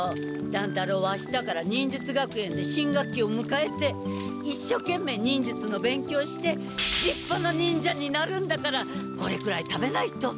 乱太郎はあしたから忍術学園で新学期をむかえていっしょけんめい忍術の勉強してりっぱな忍者になるんだからこれくらい食べないと。